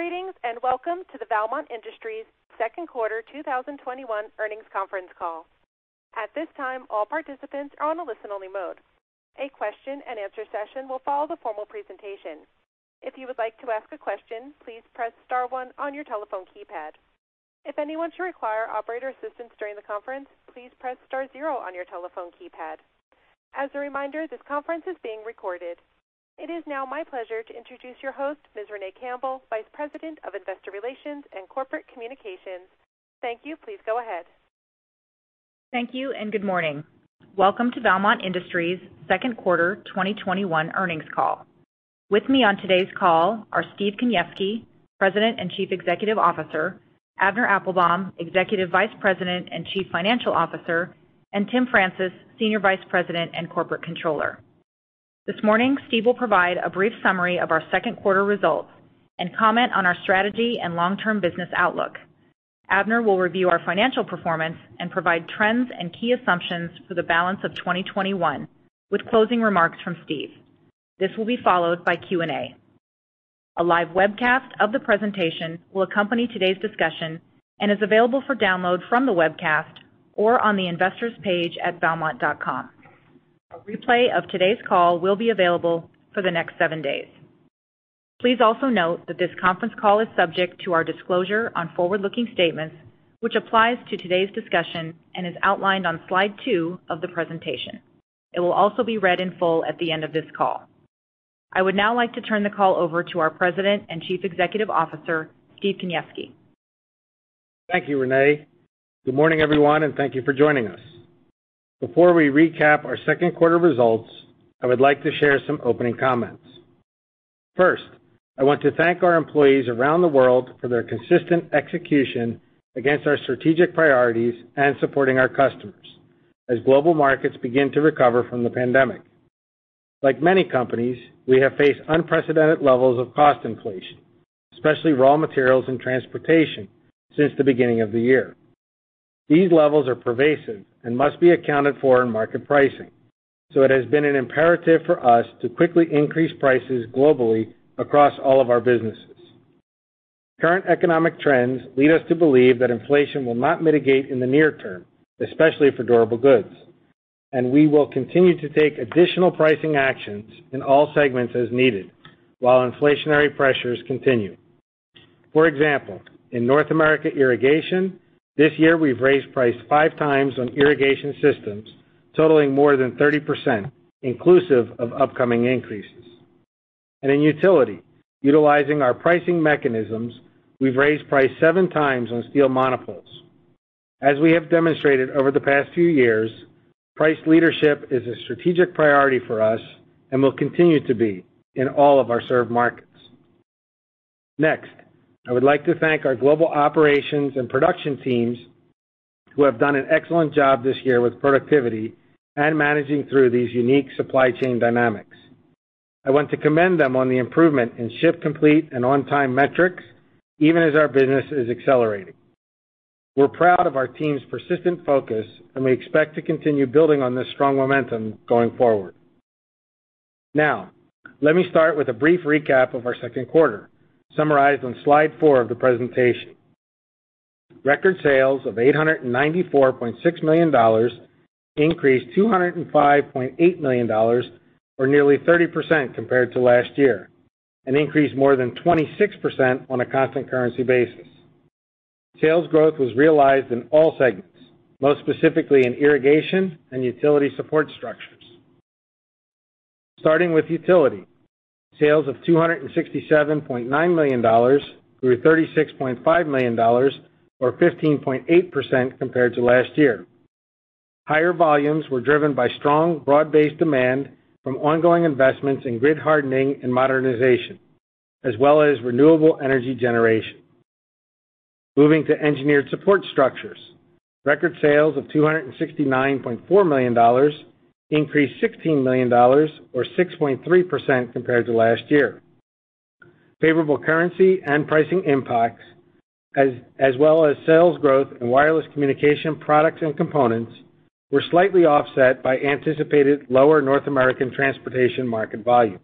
Greetings, and welcome to the Valmont Industries Second Quarter 2021 Earnings Conference Call. At this time, all participants are on a listen-only mode. A question and answer session will follow the formal presentation. If you would like to ask a question, please press star one on your telephone keypad. If anyone should require operator assistance during the conference, please press star zero on your telephone keypad. As a reminder, this conference is being recorded. It is now my pleasure to introduce your host, Ms. Renee Campbell, Vice President of Investor Relations and Corporate Communications. Thank you. Please go ahead. Thank you, and good morning. Welcome to Valmont Industries Second Quarter 2021 Earnings Call. With me on today's call are Steve Kaniewski, President and Chief Executive Officer, Avner Applbaum, Executive Vice President and Chief Financial Officer, and Tim Francis, Senior Vice President and Corporate Controller. This morning, Steve will provide a brief summary of our second quarter results and comment on our strategy and long-term business outlook. Avner will review our financial performance and provide trends and key assumptions for the balance of 2021, with closing remarks from Steve. This will be followed by Q&A. A live webcast of the presentation will accompany today's discussion and is available for download from the webcast or on the investors page at valmont.com. A replay of today's call will be available for the next seven days. Please also note that this conference call is subject to our disclosure on forward-looking statements, which applies to today's discussion and is outlined on slide two of the presentation. It will also be read in full at the end of this call. I would now like to turn the call over to our President and Chief Executive Officer, Steve Kaniewski. Thank you, Renee. Good morning, everyone, and thank you for joining us. Before we recap our second quarter results, I would like to share some opening comments. First, I want to thank our employees around the world for their consistent execution against our strategic priorities and supporting our customers as global markets begin to recover from the pandemic. Like many companies, we have faced unprecedented levels of cost inflation, especially raw materials and transportation since the beginning of the year. These levels are pervasive and must be accounted for in market pricing, so it has been an imperative for us to quickly increase prices globally across all of our businesses. Current economic trends lead us to believe that inflation will not mitigate in the near term, especially for durable goods, and we will continue to take additional pricing actions in all segments as needed while inflationary pressures continue. For example, in North America Irrigation, this year we've raised price five times on irrigation systems, totaling more than 30%, inclusive of upcoming increases. In Utility, utilizing our pricing mechanisms, we've raised price seven times on steel monopoles. As we have demonstrated over the past few years, price leadership is a strategic priority for us and will continue to be in all of our served markets. Next, I would like to thank our global operations and production teams who have done an excellent job this year with productivity and managing through these unique supply chain dynamics. I want to commend them on the improvement in ship complete and on-time metrics, even as our business is accelerating. We're proud of our team's persistent focus, and we expect to continue building on this strong momentum going forward. Now, let me start with a brief recap of our second quarter, summarized on slide four of the presentation. Record sales of $894.6 million increased $205.8 million or nearly 30% compared to last year, an increase more than 26% on a constant currency basis. Sales growth was realized in all segments, most specifically in irrigation and utility support structures. Starting with Utility, sales of $267.9 million grew $36.5 million or 15.8% compared to last year. Higher volumes were driven by strong broad-based demand from ongoing investments in grid hardening and modernization, as well as renewable energy generation. Moving to Engineered Support Structures, record sales of $269.4 million increased $16 million or 6.3% compared to last year. Favorable currency and pricing impacts, as well as sales growth in wireless communication products and components, were slightly offset by anticipated lower North American transportation market volumes.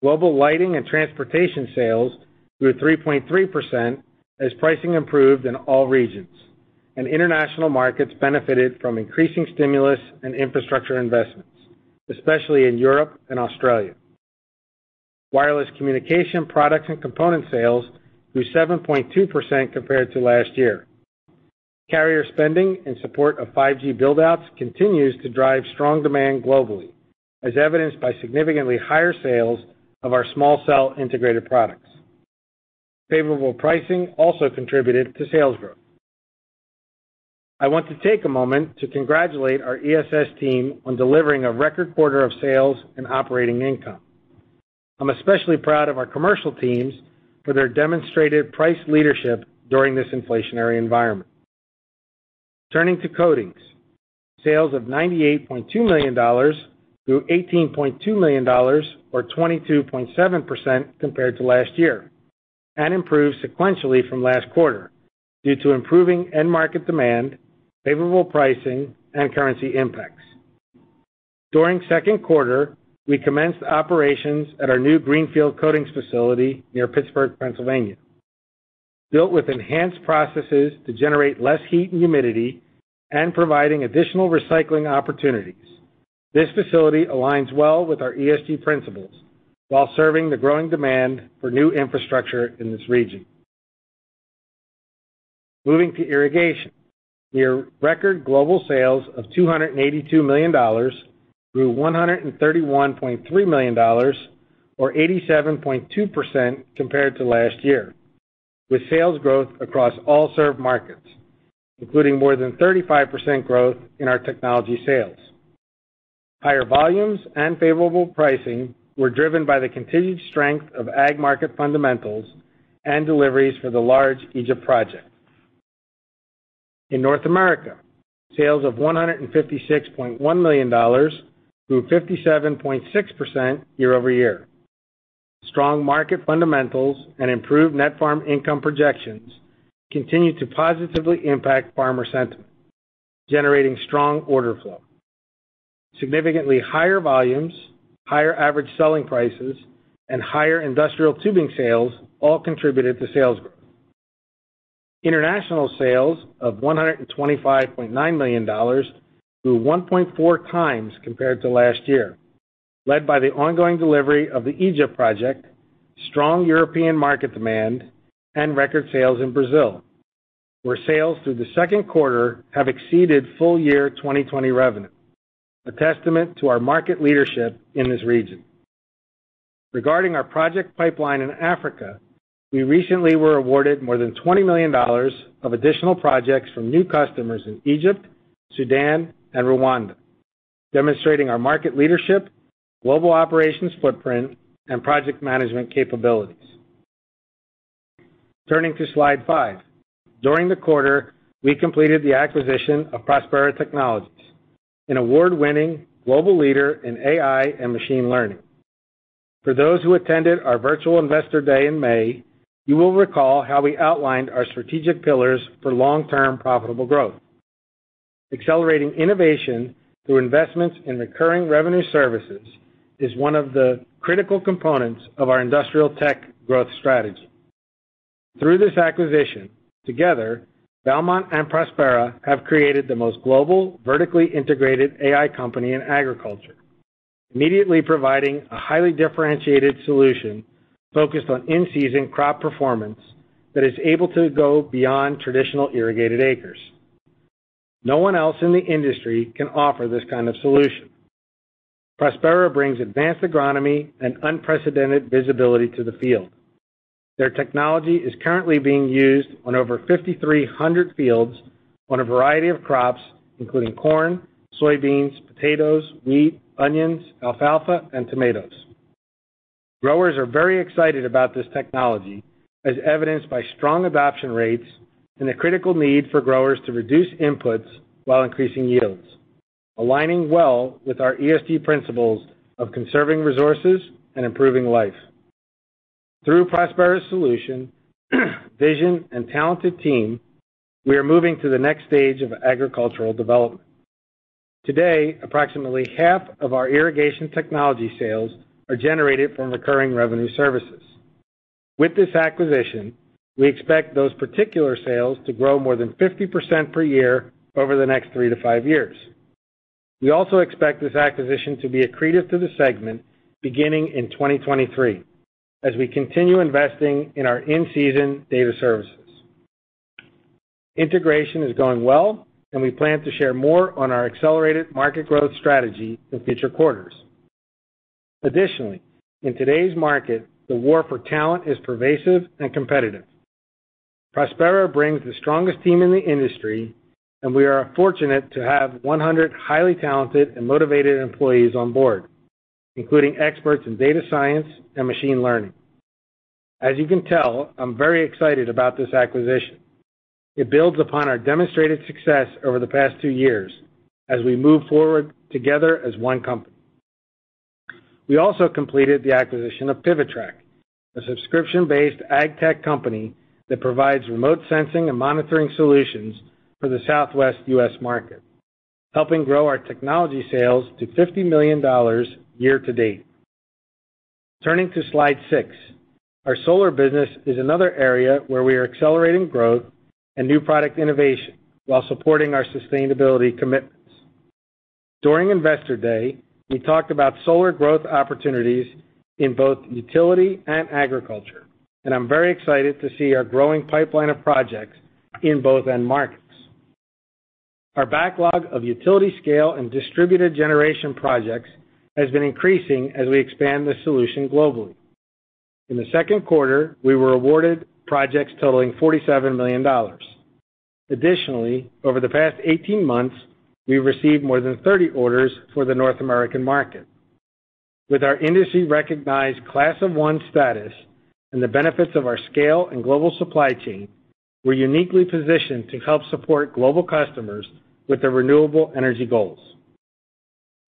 Global Lighting and Transportation sales grew 3.3% as pricing improved in all regions, and international markets benefited from increasing stimulus and infrastructure investments, especially in Europe and Australia. Wireless communication products and components sales grew 7.2% compared to last year. Carrier spending in support of 5G build-outs continues to drive strong demand globally, as evidenced by significantly higher sales of our small cell integrated products. Favorable pricing also contributed to sales growth. I want to take a moment to congratulate our ESS team on delivering a record quarter of sales and operating income. I'm especially proud of our commercial teams for their demonstrated price leadership during this inflationary environment. Turning to Coatings, sales of $98.2 million grew $18.2 million or 22.7% compared to last year and improved sequentially from last quarter due to improving end market demand, favorable pricing, and currency impacts. During second quarter, we commenced operations at our new greenfield coatings facility near Pittsburgh, Pennsylvania, built with enhanced processes to generate less heat and humidity and providing additional recycling opportunities. This facility aligns well with our ESG principles while serving the growing demand for new infrastructure in this region. Moving to irrigation, year record global sales of $282 million grew $131.3 million, or 87.2% compared to last year, with sales growth across all served markets, including more than 35% growth in our technology sales. Higher volumes and favorable pricing were driven by the continued strength of ag market fundamentals and deliveries for the large Egypt project. In North America, sales of $156.1 million grew 57.6% year-over-year. Strong market fundamentals and improved net farm income projections continue to positively impact farmer sentiment, generating strong order flow. Significantly higher volumes, higher average selling prices, and higher industrial tubing sales all contributed to sales growth. International sales of $125.9 million grew 1.4x compared to last year, led by the ongoing delivery of the Egypt project, strong European market demand, and record sales in Brazil, where sales through the Q2 have exceeded full year 2020 revenue, a testament to our market leadership in this region. Regarding our project pipeline in Africa, we recently were awarded more than $20 million of additional projects from new customers in Egypt, Sudan and Rwanda, demonstrating our market leadership, global operations footprint and project management capabilities. Turning to slide five. During the quarter, we completed the acquisition of Prospera Technologies, an award-winning global leader in AI and machine learning. For those who attended our virtual Investor Day in May, you will recall how we outlined our strategic pillars for long-term profitable growth. Accelerating innovation through investments in recurring revenue services is one of the critical components of our industrial tech growth strategy. Through this acquisition, together, Valmont and Prospera have created the most global vertically integrated AI company in agriculture, immediately providing a highly differentiated solution focused on in-season crop performance that is able to go beyond traditional irrigated acres. No one else in the industry can offer this kind of solution. Prospera brings advanced agronomy and unprecedented visibility to the field. Their technology is currently being used on over 5,300 fields on a variety of crops, including corn, soybeans, potatoes, wheat, onions, alfalfa, and tomatoes. Growers are very excited about this technology, as evidenced by strong adoption rates and the critical need for growers to reduce inputs while increasing yields, aligning well with our ESG principles of conserving resources and improving life. Through Prospera's solution, vision and talented team, we are moving to the next stage of agricultural development. Today, approximately half of our irrigation technology sales are generated from recurring revenue services. With this acquisition, we expect those particular sales to grow more than 50% per year over the next three to five years. We also expect this acquisition to be accretive to the segment beginning in 2023 as we continue investing in our in-season data services. Integration is going well and we plan to share more on our accelerated market growth strategy in future quarters. Additionally, in today's market, the war for talent is pervasive and competitive. Prospera brings the strongest team in the industry. We are fortunate to have 100 highly talented and motivated employees on board, including experts in data science and machine learning. As you can tell, I'm very excited about this acquisition. It builds upon our demonstrated success over the past two years as we move forward together as one company. We also completed the acquisition of PivoTrac, a subscription-based ag tech company that provides remote sensing and monitoring solutions for the Southwest U.S. market, helping grow our technology sales to $50 million year to date. Turning to slide six. Our solar business is another area where we are accelerating growth and new product innovation while supporting our sustainability commitments. During Investor Day, we talked about solar growth opportunities in both utility and agriculture, and I'm very excited to see our growing pipeline of projects in both end markets. Our backlog of utility-scale and distributed generation projects has been increasing as we expand the solution globally. In the second quarter, we were awarded projects totaling $47 million. Additionally, over the past 18 months, we've received more than 30 orders for the North American market. With our industry-recognized class-of-one status and the benefits of our scale and global supply chain, we're uniquely positioned to help support global customers with their renewable energy goals.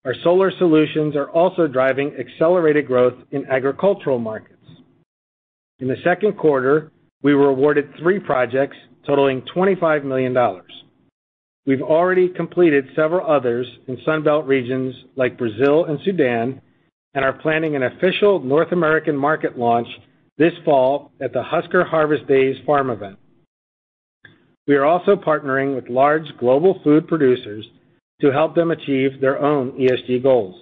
Our solar solutions are also driving accelerated growth in agricultural markets. In the second quarter, we were awarded three projects totaling $25 million. We've already completed several others in Sun Belt regions like Brazil and Sudan, and are planning an official North American market launch this fall at the Husker Harvest Days farm event. We are also partnering with large global food producers to help them achieve their own ESG goals.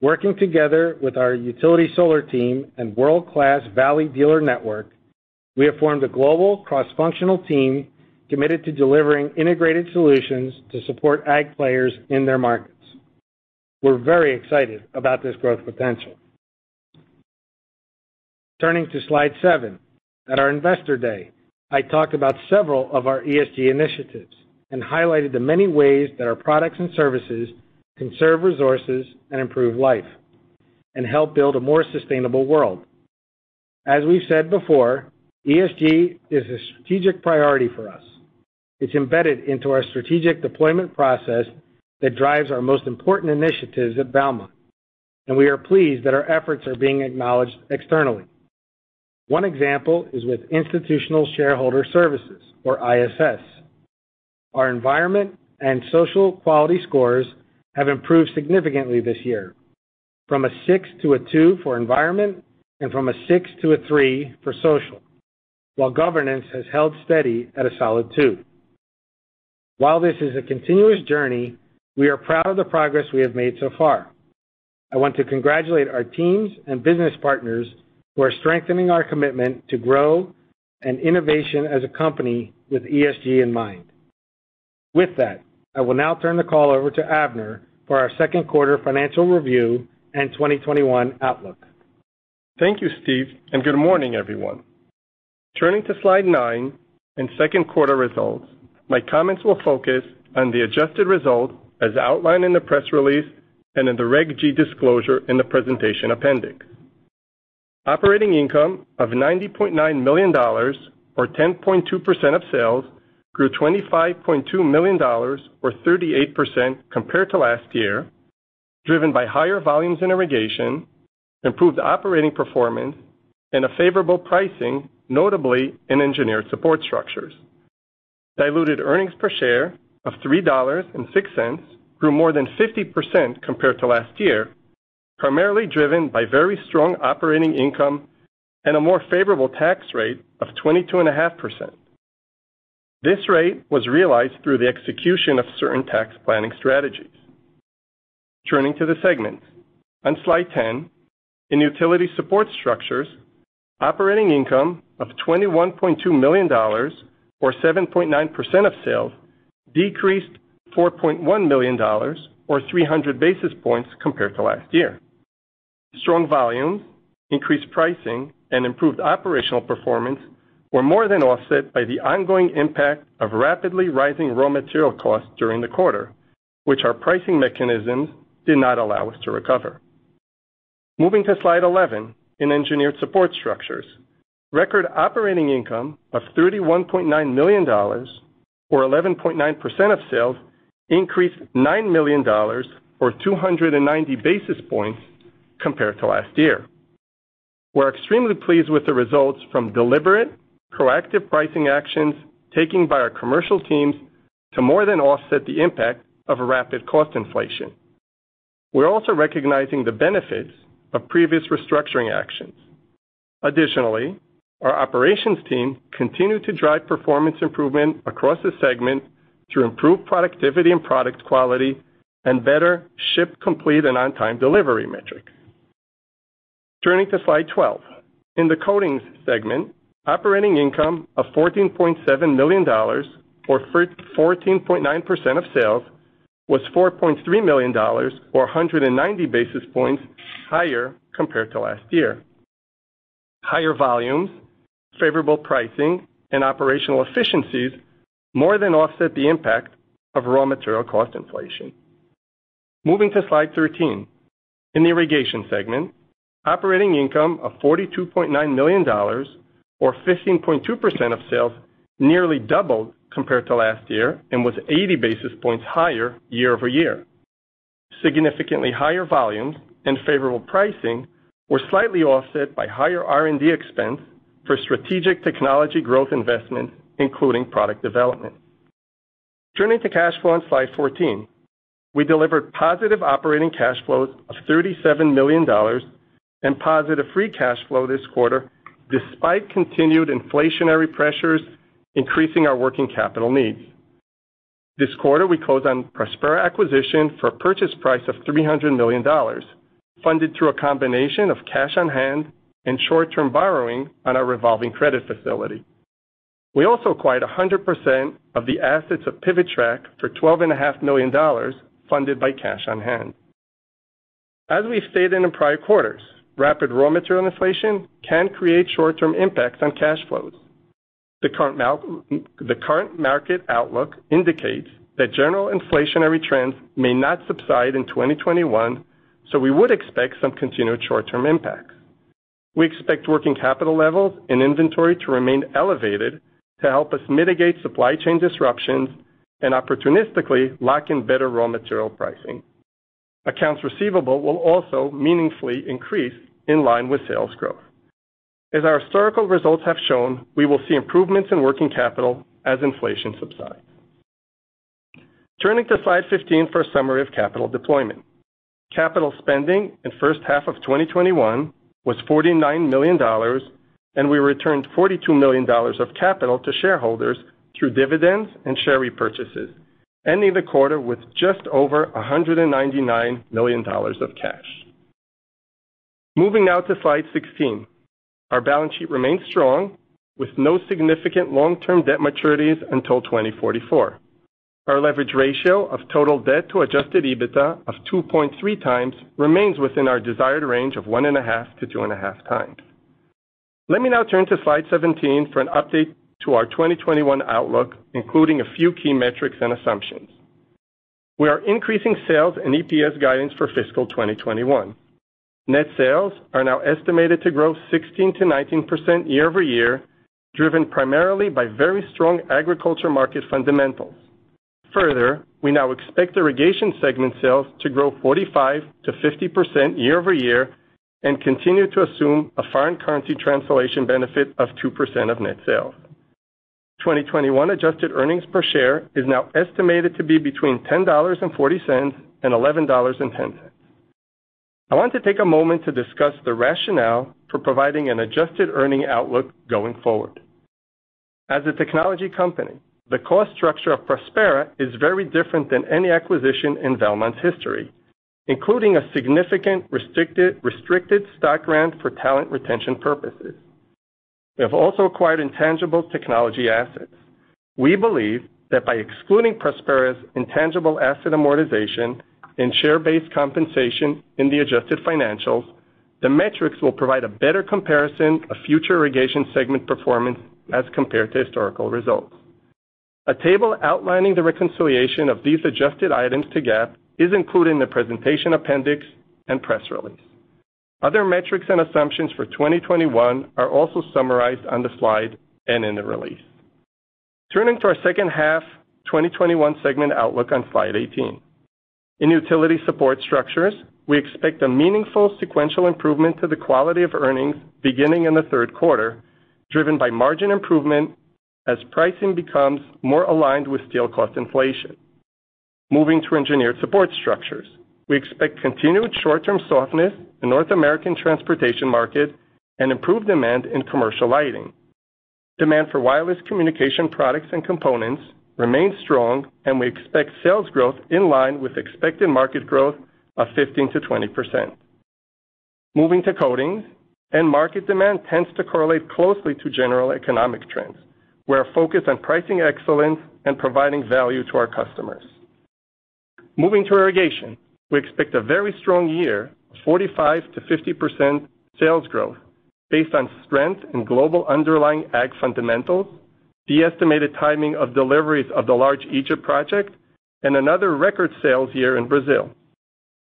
Working together with our utility solar team and world-class Valley dealer network, we have formed a global cross-functional team committed to delivering integrated solutions to support ag players in their markets. We're very excited about this growth potential. Turning to slide seven. At our Investor Day, I talked about several of our ESG initiatives and highlighted the many ways that our products and services conserve resources and improve life, and help build a more sustainable world. As we've said before, ESG is a strategic priority for us. It's embedded into our strategic deployment process that drives our most important initiatives at Valmont, and we are pleased that our efforts are being acknowledged externally. One example is with Institutional Shareholder Services, or ISS. Our environment and social quality scores have improved significantly this year, from a six to a two for environment and from a six to a three for social, while governance has held steady at a solid two. While this is a continuous journey, we are proud of the progress we have made so far. I want to congratulate our teams and business partners who are strengthening our commitment to grow and innovation as a company with ESG in mind. With that, I will now turn the call over to Avner for our second quarter financial review and 2021 outlook. Thank you, Steve, good morning, everyone. Turning to slide nine and second quarter results, my comments will focus on the adjusted result as outlined in the press release and in the Reg G disclosure in the presentation appendix. Operating income of $90.9 million, or 10.2% of sales, grew $25.2 million or 38% compared to last year, driven by higher volumes in irrigation, improved operating performance, and a favorable pricing, notably in engineered support structures. Diluted earnings per share of $3.06 grew more than 50% compared to last year, primarily driven by very strong operating income and a more favorable tax rate of 22.5%. This rate was realized through the execution of certain tax planning strategies. Turning to the segments. On slide 10, in Utility Support Structures, operating income of $21.2 million, or 7.9% of sales, decreased $4.1 million or 300 basis points compared to last year. Strong volumes, increased pricing, and improved operational performance were more than offset by the ongoing impact of rapidly rising raw material costs during the quarter, which our pricing mechanisms did not allow us to recover. Moving to slide 11, in Engineered Support Structures. Record operating income of $31.9 million, or 11.9% of sales, increased $9 million or 290 basis points compared to last year. We are extremely pleased with the results from deliberate, proactive pricing actions taken by our commercial teams to more than offset the impact of rapid cost inflation. We are also recognizing the benefits of previous restructuring actions. Additionally, our operations team continued to drive performance improvement across the segment through improved productivity and product quality and better ship complete and on-time delivery metric. Turning to slide 12. In the coatings segment, operating income of $14.7 million, or 14.9% of sales, was $4.3 million or 190 basis points higher compared to last year. Higher volumes, favorable pricing, and operational efficiencies more than offset the impact of raw material cost inflation. Moving to slide 13. In the irrigation segment, operating income of $42.9 million, or 15.2% of sales, nearly doubled compared to last year and was 80 basis points higher year-over-year. Significantly higher volumes and favorable pricing were slightly offset by higher R&D expense for strategic technology growth investment, including product development. Turning to cash flow on slide 14. We delivered positive operating cash flows of $37 million and positive free cash flow this quarter, despite continued inflationary pressures increasing our working capital needs. This quarter, we closed on Prospera acquisition for a purchase price of $300 million, funded through a combination of cash on hand and short-term borrowing on our revolving credit facility. We also acquired 100% of the assets of PivoTrac for $12.5 million, funded by cash on hand. As we've stated in prior quarters, rapid raw material inflation can create short-term impacts on cash flows. The current market outlook indicates that general inflationary trends may not subside in 2021, we would expect some continued short-term impacts. We expect working capital levels and inventory to remain elevated to help us mitigate supply chain disruptions and opportunistically lock in better raw material pricing. Accounts receivable will also meaningfully increase in line with sales growth. As our historical results have shown, we will see improvements in working capital as inflation subsides. Turning to slide 15 for a summary of capital deployment. Capital spending in first half of 2021 was $49 million. We returned $42 million of capital to shareholders through dividends and share repurchases, ending the quarter with just over $199 million of cash. Moving now to slide 16. Our balance sheet remains strong, with no significant long-term debt maturities until 2044. Our leverage ratio of total debt to adjusted EBITDA of 2.3x remains within our desired range of 1.5x to 2.5x. Let me now turn to slide 17 for an update to our 2021 outlook, including a few key metrics and assumptions. We are increasing sales and EPS guidance for fiscal 2021. Net sales are now estimated to grow 16%-19% year-over-year, driven primarily by very strong agriculture market fundamentals. We now expect irrigation segment sales to grow 45%-50% year-over-year and continue to assume a foreign currency translation benefit of 2% of net sales. 2021 adjusted earnings per share is now estimated to be between $10.40 and $11.10. I want to take a moment to discuss the rationale for providing an adjusted earnings outlook going forward. As a technology company, the cost structure of Prospera is very different than any acquisition in Valmont's history, including a significant restricted stock grant for talent retention purposes. We have also acquired intangible technology assets. We believe that by excluding Prospera's intangible asset amortization and share-based compensation in the adjusted financials, the metrics will provide a better comparison of future irrigation segment performance as compared to historical results. A table outlining the reconciliation of these adjusted items to GAAP is included in the presentation appendix and press release. Other metrics and assumptions for 2021 are also summarized on the slide and in the release. Turning to our second half 2021 segment outlook on slide 18. In Utility Support Structures, we expect a meaningful sequential improvement to the quality of earnings beginning in the third quarter, driven by margin improvement as pricing becomes more aligned with steel cost inflation. Moving to Engineered Support Structures. We expect continued short-term softness in North American transportation market and improved demand in commercial lighting. Demand for wireless communication products and components remains strong, and we expect sales growth in line with expected market growth of 15%-20%. Moving to Coatings. End market demand tends to correlate closely to general economic trends. We are focused on pricing excellence and providing value to our customers. Moving to Irrigation. We expect a very strong year, 45%-50% sales growth based on strength in global underlying ag fundamentals, the estimated timing of deliveries of the large Egypt project, and another record sales year in Brazil.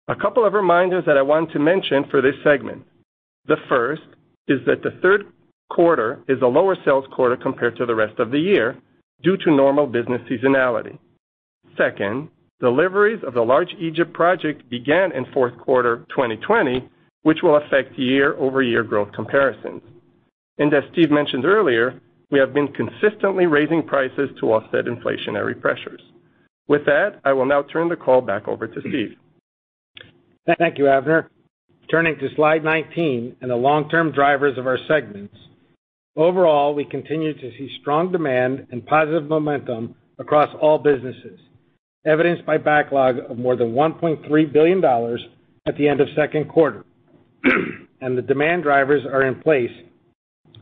A couple of reminders that I want to mention for this segment. The first is that the third quarter is a lower sales quarter compared to the rest of the year due to normal business seasonality. Second, deliveries of the large Egypt project began in fourth quarter 2020, which will affect year-over-year growth comparisons. As Steve mentioned earlier, we have been consistently raising prices to offset inflationary pressures. With that, I will now turn the call back over to Steve. Thank you, Avner. Turning to slide 19 and the long-term drivers of our segments. Overall, we continue to see strong demand and positive momentum across all businesses, evidenced by backlog of more than $1.3 billion at the end of second quarter. The demand drivers are in place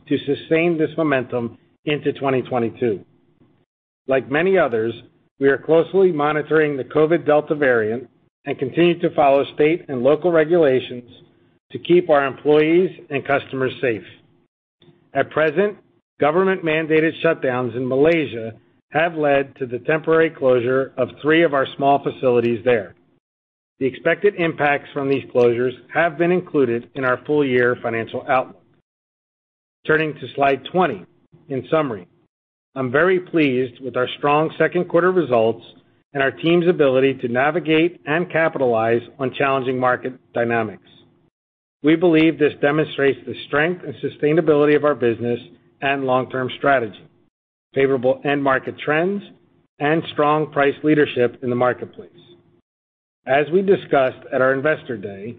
to sustain this momentum into 2022. Like many others, we are closely monitoring the COVID Delta variant and continue to follow state and local regulations to keep our employees and customers safe. At present, government-mandated shutdowns in Malaysia have led to the temporary closure of three of our small facilities there. The expected impacts from these closures have been included in our full year financial outlook. Turning to slide 20. In summary, I am very pleased with our strong second quarter results and our team's ability to navigate and capitalize on challenging market dynamics. We believe this demonstrates the strength and sustainability of our business and long-term strategy, favorable end market trends, and strong price leadership in the marketplace. As we discussed at our Investor Day,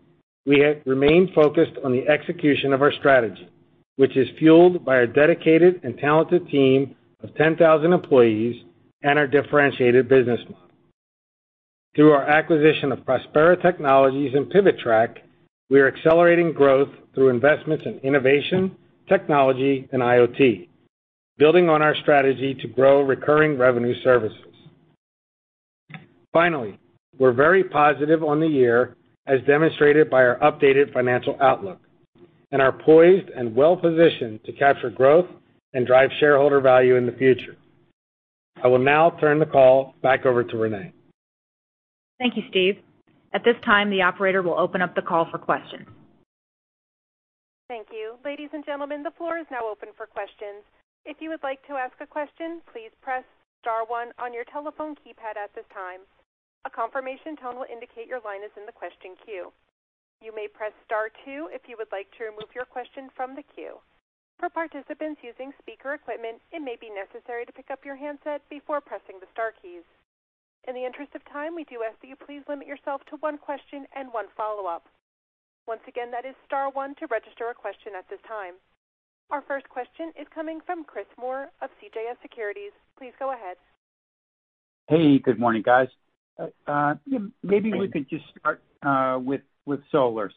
we have remained focused on the execution of our strategy, which is fueled by our dedicated and talented team of 10,000 employees and our differentiated business model. Through our acquisition of Prospera Technologies and PivoTrac, we are accelerating growth through investments in innovation, technology, and IoT, building on our strategy to grow recurring revenue services. Finally, we're very positive on the year as demonstrated by our updated financial outlook, and are poised and well-positioned to capture growth and drive shareholder value in the future. I will now turn the call back over to Renee. Thank you, Steve. At this time, the operator will open up the call for questions. Thank you. Ladies and gentlemen, the floor is now open for questions. If you would like to ask a question please press star one on your telephone keypad at this time. A confirmation tone will indicate your line is in the question queue. You may press star two if you would like to remove your question from the queue. For participants using speaker, it may be necessary to pick your handset before pressing the star keys. In the interest of time, we do ask you to please limit yourself to one question and one follow-up. Once again, that is star one to register a question at the time. Our first question is coming from Chris Moore of CJS Securities. Please go ahead. Hey, good morning, guys. Hey. We could just start with solar.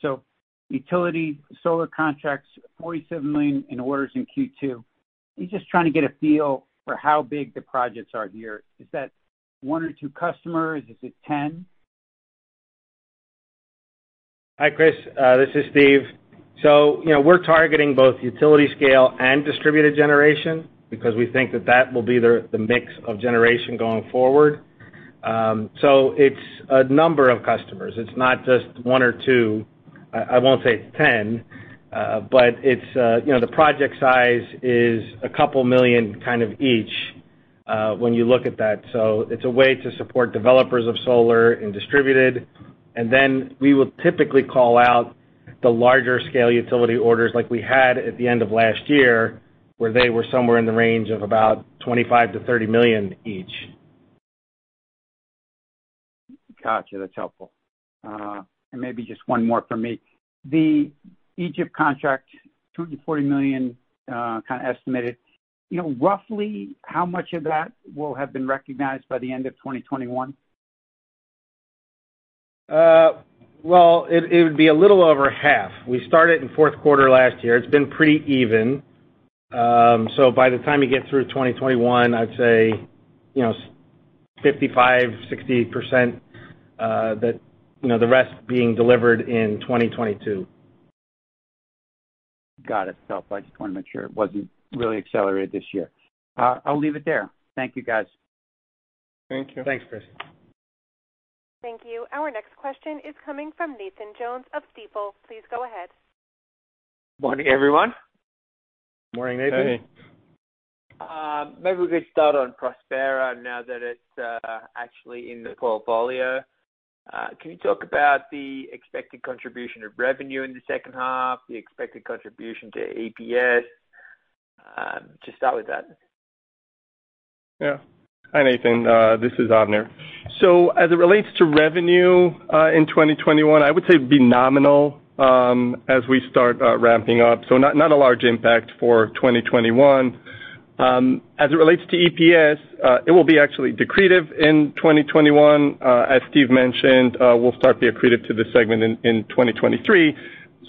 Utility solar contracts, $47 million in orders in Q2. Just trying to get a feel for how big the projects are here. Is that one or two customers? Is it 10? Hi, Chris. This is Steve. We're targeting both utility scale and distributed generation because we think that that will be the mix of generation going forward. It's a number of customers. It's not just one or two. I won't say it's 10, but the project size is a couple million kind of each, when you look at that. It's a way to support developers of solar and distributed, and then we will typically call out the larger scale utility orders like we had at the end of last year, where they were somewhere in the range of about $25 million-$30 million each. Got you. That's helpful. Maybe just one more from me. The Egypt contract, $240 million, kind of estimated. Roughly how much of that will have been recognized by the end of 2021? Well, it would be a little over half. We started in fourth quarter last year. It's been pretty even. By the time you get through 2021, I'd say 55%-60%, the rest being delivered in 2022. Got it. Helpful. I just wanted to make sure it wasn't really accelerated this year. I'll leave it there. Thank you, guys. Thank you. Thanks, Chris. Thank you. Our next question is coming from Nathan Jones of Stifel. Please go ahead. Morning, everyone. Morning, Nathan. Hey. Maybe we could start on Prospera now that it's actually in the portfolio. Can you talk about the expected contribution of revenue in the second half, the expected contribution to EPS? To start with that. Hi, Nathan. This is Avner. As it relates to revenue, in 2021, I would say it'd be nominal as we start ramping up. Not a large impact for 2021. As it relates to EPS, it will be actually dilutive in 2021. As Steve mentioned, we'll start the accretive to the segment in 2023.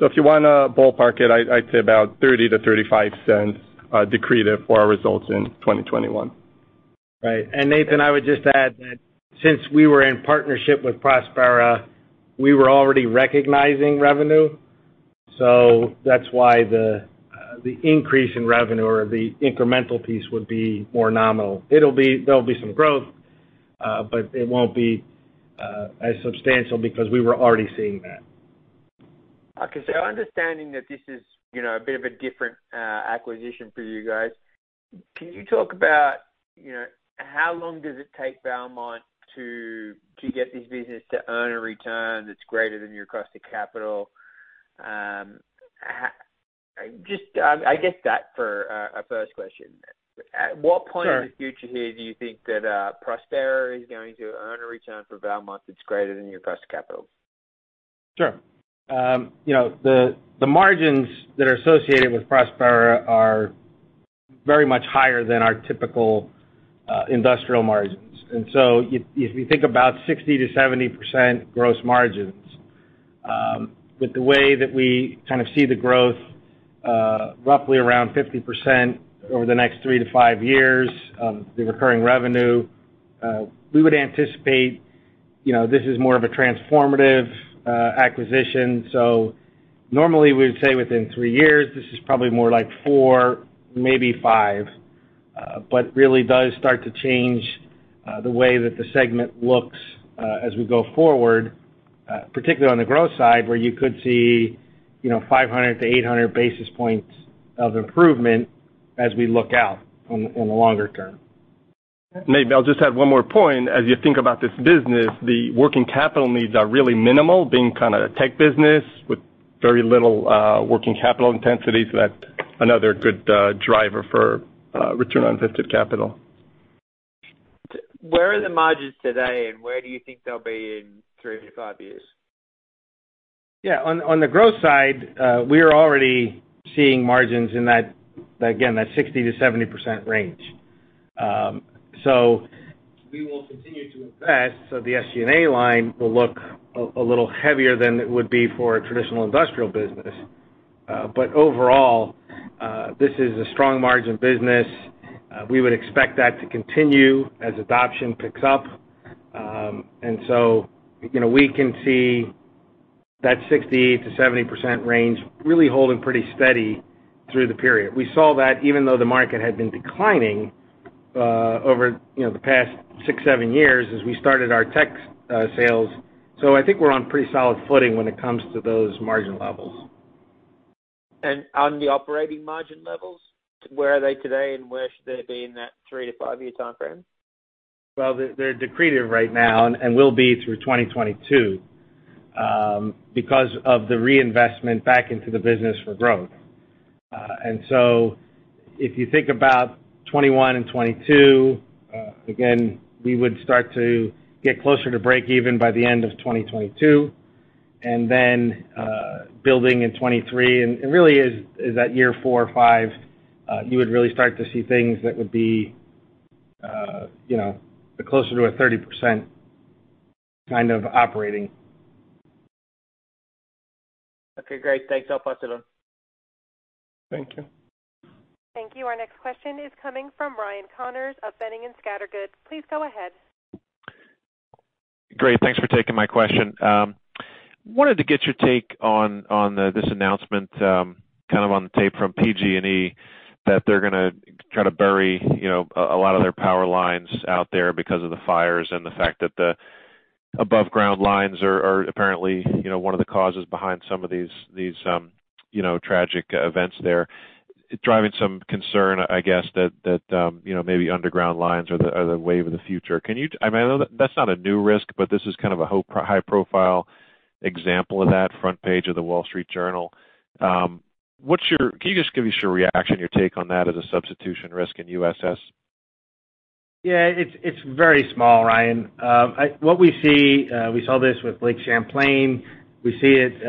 If you want to ballpark it, I'd say about $0.30-$0.35, dilutive for our results in 2021. Right. Nathan, I would just add that since we were in partnership with Prospera, we were already recognizing revenue. That's why the increase in revenue or the incremental piece would be more nominal. There'll be some growth, but it won't be as substantial because we were already seeing that. Understanding that this is a bit of a different acquisition for you guys, can you talk about how long does it take Valmont to get this business to earn a return that's greater than your cost of capital? Just, I guess that for a first question. Sure. In the future here, do you think that Prospera is going to earn a return for Valmont that's greater than your cost of capital? Sure. The margins that are associated with Prospera are very much higher than our typical industrial margins. If you think about 60%-70% gross margins, with the way that we kind of see the growth, roughly around 50% over the next three to five years, the recurring revenue, we would anticipate this is more of a transformative acquisition. Normally we'd say within three years, this is probably more like four, maybe five. Really does start to change the way that the segment looks as we go forward, particularly on the growth side, where you could see 500-800 basis points of improvement as we look out in the longer term. Nathan, I'll just add one more point. As you think about this business, the working capital needs are really minimal, being kind of a tech business with very little working capital intensity, so that's another good driver for return on invested capital. Where are the margins today, and where do you think they'll be in three to five years? Yeah. On the growth side, we are already seeing margins in that, again, that 60%-70% range. We will continue to invest, so the SG&A line will look a little heavier than it would be for a traditional industrial business. Overall, this is a strong margin business. We would expect that to continue as adoption picks up. We can see that 60%-70% range really holding pretty steady through the period. We saw that even though the market had been declining over the past six, seven years as we started our tech sales. I think we're on pretty solid footing when it comes to those margin levels. On the operating margin levels, where are they today and where should they be in that three to five-year time frame? Well, they're dilutive right now and will be through 2022, because of the reinvestment back into the business for growth. If you think about 2021 and 2022, again, we would start to get closer to breakeven by the end of 2022, building in 2023. It really is at year four or five, you would really start to see things that would be closer to a 30% kind of operating. Okay, great. Thanks a lot, Steve Kaniewski. Thank you. Thank you. Our next question is coming from Ryan Connors of Boenning & Scattergood. Please go ahead. Great. Thanks for taking my question. I wanted to get your take on this announcement, on the tape from PG&E that they're going to try to bury a lot of their power lines out there because of the fires and the fact that the above-ground lines are apparently one of the causes behind some of these tragic events there. Driving some concern, I guess, that maybe underground lines are the wave of the future. I mean, I know that's not a new risk, but this is kind of a high-profile example of that front page of The Wall Street Journal. Can you just give me your reaction, your take on that as a substitution risk in USS? Yeah, it's very small, Ryan. What we see, we saw this with Lake Champlain. We see it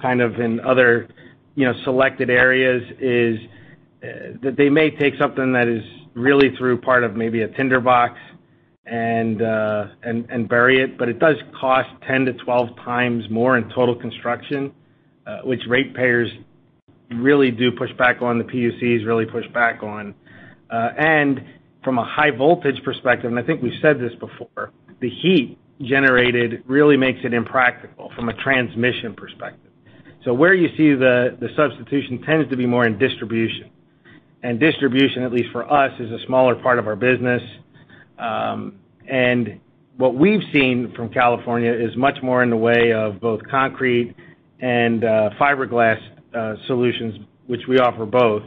kind of in other selected areas, is that they may take something that is really through part of maybe a tinder box and bury it, but it does cost 10x to 12x more in total construction, which ratepayers really do push back on, the PUCs really push back on. From a high voltage perspective, and I think we've said this before, the heat generated really makes it impractical from a transmission perspective. Where you see the substitution tends to be more in distribution, and distribution, at least for us, is a smaller part of our business. What we've seen from California is much more in the way of both concrete and fiberglass solutions, which we offer both,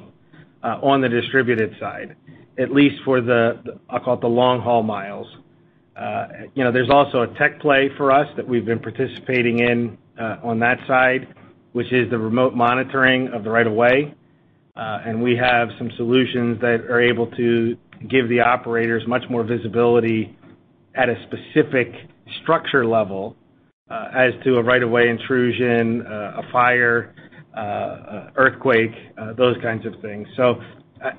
on the distributed side, at least for the, I'll call it the long-haul miles. There's also a tech play for us that we've been participating in on that side, which is the remote monitoring of the right of way. We have some solutions that are able to give the operators much more visibility at a specific structure level as to a right of way intrusion, a fire, earthquake, those kinds of things.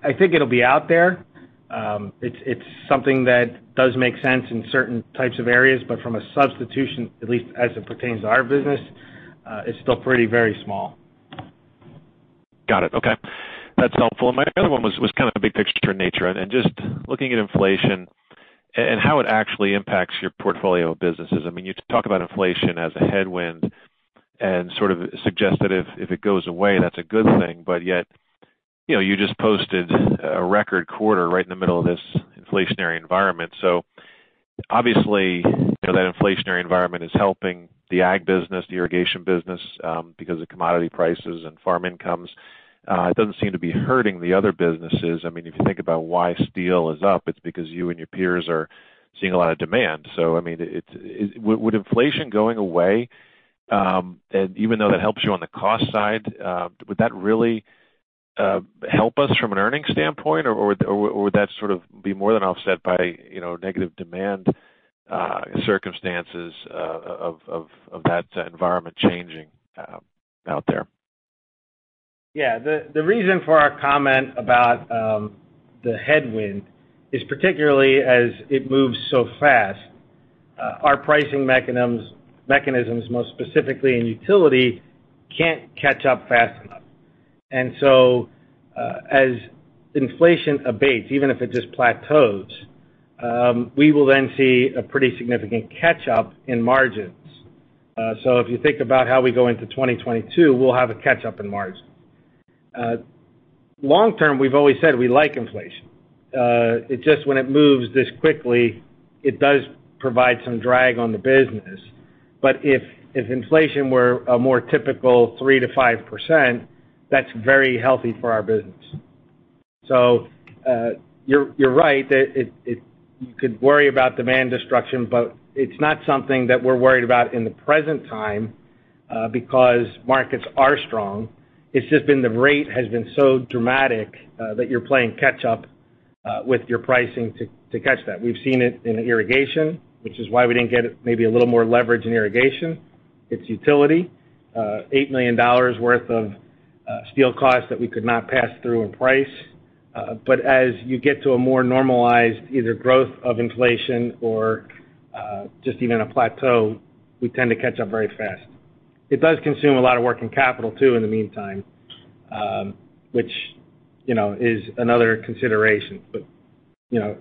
I think it'll be out there. It's something that does make sense in certain types of areas, but from a substitution, at least as it pertains to our business, it's still pretty very small. Got it. Okay. That's helpful. My other one was kind of a big picture in nature and just looking at inflation and how it actually impacts your portfolio of businesses. I mean, you talk about inflation as a headwind and sort of suggest that if it goes away, that's a good thing. Yet, you just posted a record quarter right in the middle of this inflationary environment. Obviously, that inflationary environment is helping the ag business, the irrigation business, because of commodity prices and farm incomes. It doesn't seem to be hurting the other businesses. I mean, if you think about why steel is up, it's because you and your peers are seeing a lot of demand. I mean, would inflation going away, even though that helps you on the cost side, would that really help us from an earnings standpoint or would that sort of be more than offset by negative demand circumstances of that environment changing out there? Yeah. The reason for our comment about the headwind is particularly as it moves so fast, our pricing mechanisms, most specifically in utility, can't catch up fast enough. As inflation abates, even if it just plateaus, we will then see a pretty significant catch-up in margins. If you think about how we go into 2022, we'll have a catch-up in margins. Long term, we've always said we like inflation. It's just when it moves this quickly, it does provide some drag on the business. If inflation were a more typical 3%-5%, that's very healthy for our business. You're right that you could worry about demand destruction, but it's not something that we're worried about in the present time, because markets are strong. It's just been the rate has been so dramatic that you're playing catch up with your pricing to catch that. We've seen it in irrigation, which is why we didn't get maybe a little more leverage in irrigation. It's utility, $8 million worth of steel costs that we could not pass through in price. As you get to a more normalized either growth of inflation or just even a plateau, we tend to catch up very fast. It does consume a lot of working capital too, in the meantime, which is another consideration.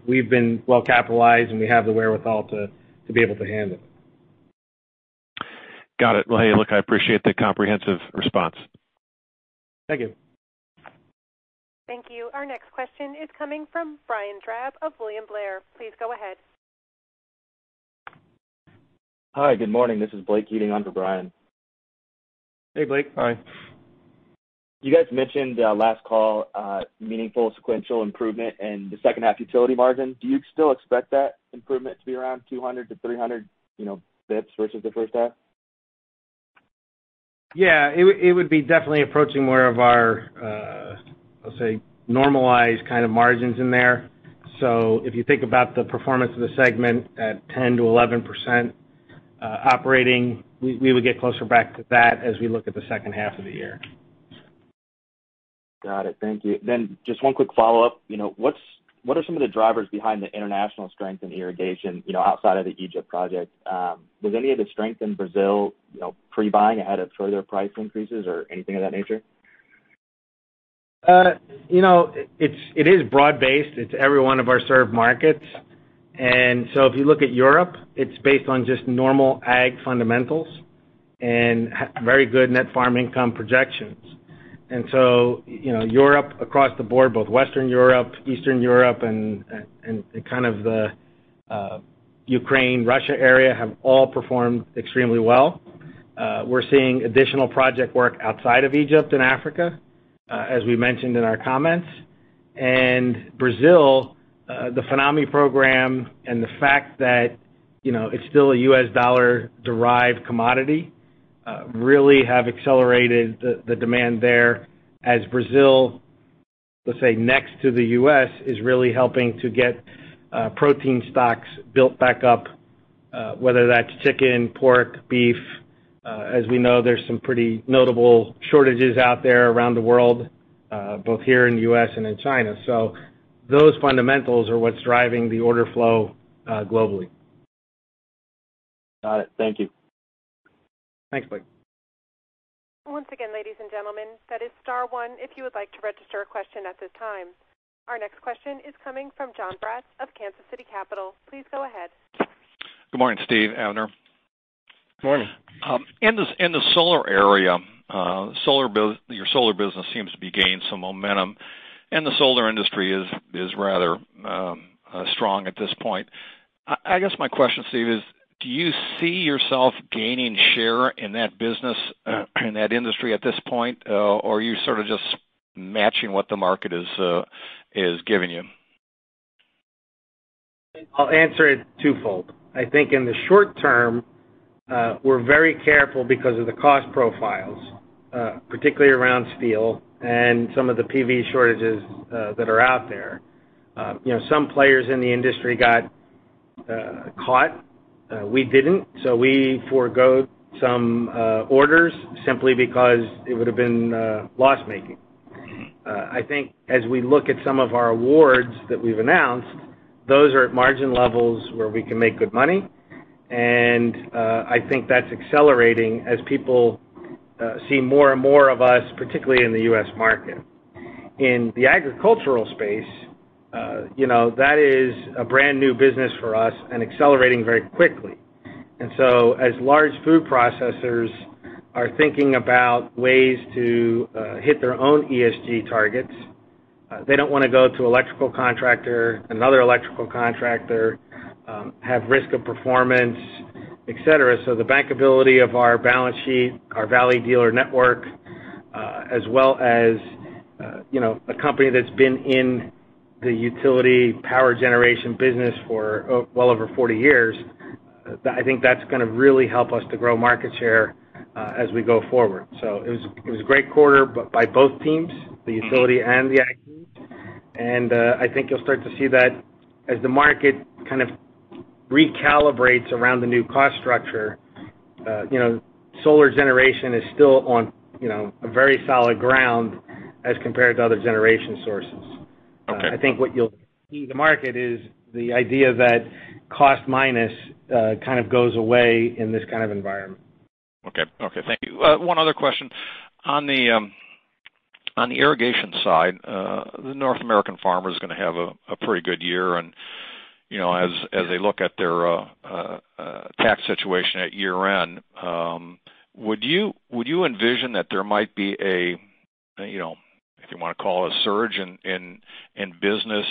We've been well capitalized, and we have the wherewithal to be able to handle it. Got it. Well, hey, look, I appreciate the comprehensive response. Thank you. Thank you. Our next question is coming from Brian Drab of William Blair. Please go ahead. Hi, good morning. This is Blake Keating on for Brian. Hey, Blake. Hi. You guys mentioned last call, meaningful sequential improvement in the second half utility margin. Do you still expect that improvement to be around 200 basis points-300 basis points versus the first half? Yeah. It would be definitely approaching more of our, let's say, normalized kind of margins in there. If you think about the performance of the segment at 10% to 11%, operating, we would get closer back to that as we look at the second half of the year. Got it. Thank you. Just one quick follow-up. What are some of the drivers behind the international strength in irrigation, outside of the Egypt project? Was any of the strength in Brazil, pre-buying ahead of further price increases or anything of that nature? It is broad-based. It's every one of our served markets. If you look at Europe, it's based on just normal ag fundamentals and very good net farm income projections. Europe across the board, both Western Europe, Eastern Europe, and kind of the Ukraine, Russia area, have all performed extremely well. We're seeing additional project work outside of Egypt and Africa, as we mentioned in our comments. Brazil, the Finame program and the fact that it's still a U.S. dollar-derived commodity, really have accelerated the demand there as Brazil, let's say, next to the U.S., is really helping to get protein stocks built back up, whether that's chicken, pork, beef. As we know, there's some pretty notable shortages out there around the world, both here in the U.S. and in China. Those fundamentals are what's driving the order flow globally. Got it. Thank you. Thanks, Blake. Once again, ladies and gentlemen, that is star one if you would like to register a question at this time. Our next question is coming from Jon Braatz of Kansas City Capital Associates. Please go ahead. Good morning, Steve, Avner. Morning. In the solar area, your solar business seems to be gaining some momentum, and the solar industry is rather strong at this point. I guess my question, Steve, is do you see yourself gaining share in that business, in that industry at this point? Or are you sort of just matching what the market is giving you? I'll answer it twofold. In the short term, we're very careful because of the cost profiles, particularly around steel and some of the PV shortages that are out there. Some players in the industry got caught. We didn't, we forego some orders simply because it would have been loss-making. As we look at some of our awards that we've announced, those are at margin levels where we can make good money. That's accelerating as people see more and more of us, particularly in the U.S. market. In the agricultural space, that is a brand new business for us and accelerating very quickly. As large food processors are thinking about ways to hit their own ESG targets, they don't want to go to electrical contractor, another electrical contractor, have risk of performance, et cetera. The bankability of our balance sheet, our Valley dealer network, as well as a company that's been in the utility power generation business for well over 40 years, I think that's going to really help us to grow market share as we go forward. It was a great quarter by both teams, the utility and the ag. I think you'll start to see that as the market kind of recalibrates around the new cost structure. Solar generation is still on a very solid ground as compared to other generation sources. Okay. I think what you'll see the market is the idea that cost minus kind of goes away in this kind of environment. Okay. Thank you. One other question. On the irrigation side, the North American farmer is going to have a pretty good year. As they look at their tax situation at year end, would you envision that there might be a, if you want to call it a surge in business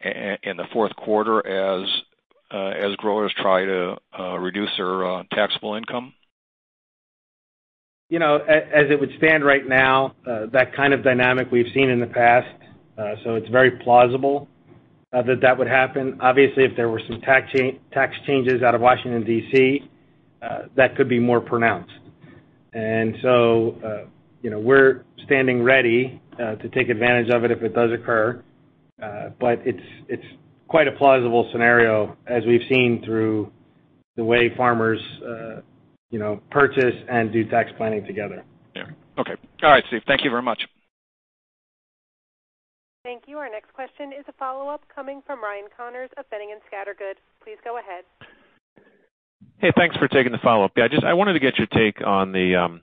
in the fourth quarter as growers try to reduce their taxable income? As it would stand right now, that kind of dynamic we've seen in the past. It's very plausible that that would happen. Obviously, if there were some tax changes out of Washington, D.C., that could be more pronounced. We're standing ready to take advantage of it if it does occur. It's quite a plausible scenario as we've seen through the way farmers purchase and do tax planning together. Yeah. Okay. All right, Steve. Thank you very much. Thank you. Our next question is a follow-up coming from Ryan Connors of Boenning & Scattergood. Please go ahead. Hey, thanks for taking the follow-up. Yeah, I wanted to get your take on the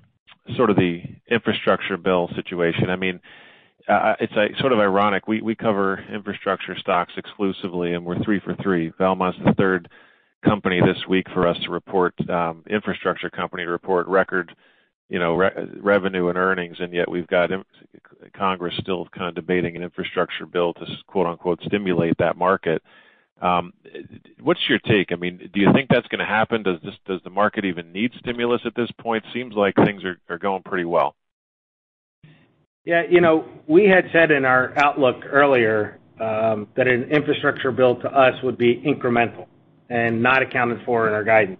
sort of the infrastructure bill situation. It's sort of ironic. We cover infrastructure stocks exclusively, and we're three for three. Valmont's the 3rd company this week for us to report, infrastructure company to report record revenue and earnings. Yet we've got Congress still kind of debating an infrastructure bill to "stimulate" that market. What's your take? Do you think that's going to happen? Does the market even need stimulus at this point? Seems like things are going pretty well. Yeah. We had said in our outlook earlier that an infrastructure bill to us would be incremental and not accounted for in our guidance.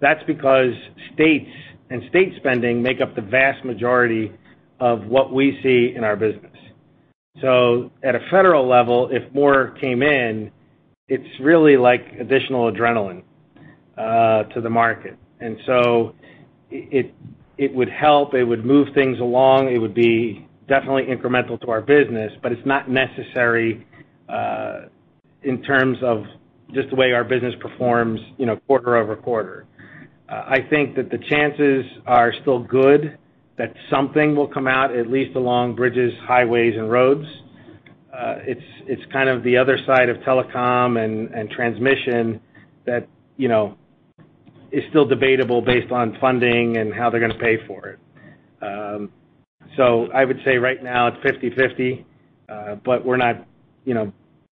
That's because states and state spending make up the vast majority of what we see in our business. At a federal level, if more came in, it's really like additional adrenaline to the market. It would help. It would move things along. It would be definitely incremental to our business, but it's not necessary in terms of just the way our business performs quarter-over-quarter. I think that the chances are still good that something will come out at least along bridges, highways, and roads. It's kind of the other side of telecom and transmission that is still debatable based on funding and how they're going to pay for it. I would say right now it's 50/50. We're not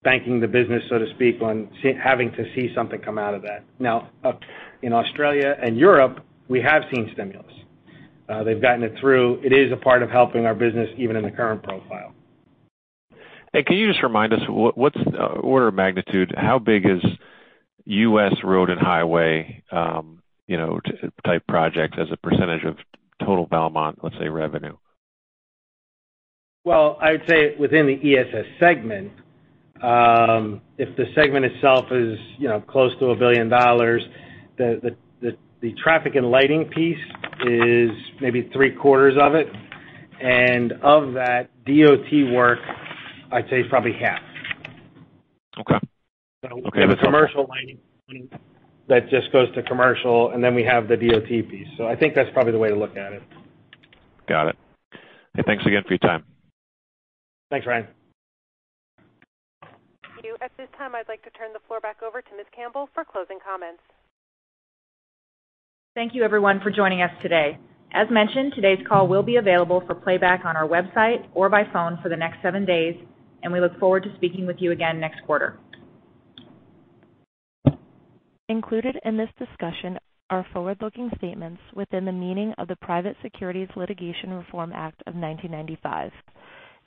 banking the business, so to speak, on having to see something come out of that. Now, in Australia and Europe, we have seen stimulus. They've gotten it through. It is a part of helping our business even in the current profile. Can you just remind us, what's the order of magnitude? How big is U.S. road and highway type projects as a percentage of total Valmont, let's say, revenue? Well, I would say within the ESS segment, if the segment itself is close to a billion dollar, the traffic and lighting piece is maybe three-quarters of it. Of that, DOT work, I'd say probably half. Okay. That's helpful. We have the commercial lighting that just goes to commercial, and then we have the DOT piece. I think that's probably the way to look at it. Got it. Hey, thanks again for your time. Thanks, Ryan. At this time, I'd like to turn the floor back over to Ms. Campbell for closing comments. Thank you everyone for joining us today. As mentioned, today's call will be available for playback on our website or by phone for the next seven days, and we look forward to speaking with you again next quarter. Included in this discussion are forward-looking statements within the meaning of the Private Securities Litigation Reform Act of 1995.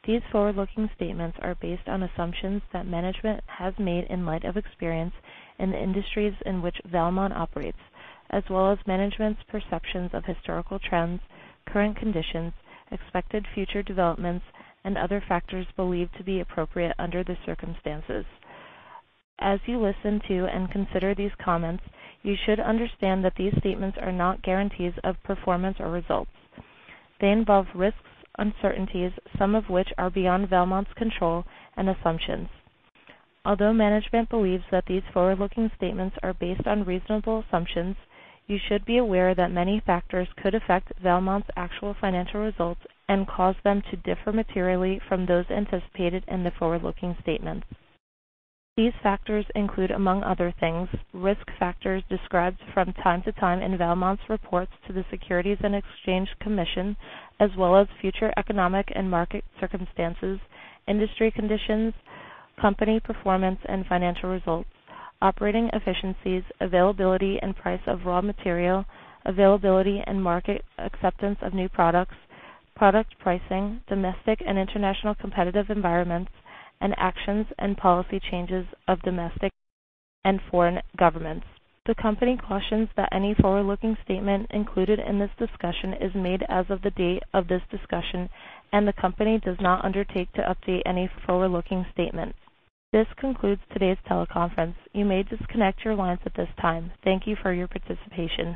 These forward-looking statements are based on assumptions that management has made in light of experience in the industries in which Valmont operates, as well as management's perceptions of historical trends, current conditions, expected future developments, and other factors believed to be appropriate under the circumstances. As you listen to and consider these comments, you should understand that these statements are not guarantees of performance or results. They involve risks, uncertainties, some of which are beyond Valmont's control and assumptions. Although management believes that these forward-looking statements are based on reasonable assumptions, you should be aware that many factors could affect Valmont's actual financial results and cause them to differ materially from those anticipated in the forward-looking statements. These factors include, among other things, risk factors described from time to time in Valmont Industries' reports to the Securities and Exchange Commission as well as future economic and market circumstances, industry conditions, company performance and financial results, operating efficiencies, availability and price of raw material, availability and market acceptance of new products, product pricing, domestic and international competitive environments, and actions and policy changes of domestic and foreign governments. The company cautions that any forward-looking statement included in this discussion is made as of the date of this discussion, and the company does not undertake to update any forward-looking statement. This concludes today's teleconference. You may disconnect your lines at this time. Thank you for your participation.